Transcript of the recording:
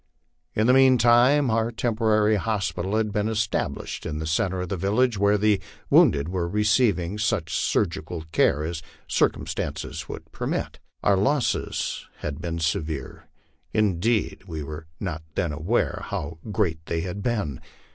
In the meanwhile our temporary hospital had been established in the centre of the village, where the wounded were receiving such surgical care as circumstances would permit. Our losses had been severe ; indeed we were not then aware how great they had been.